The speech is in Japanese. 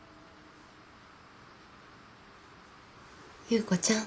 侑子ちゃん。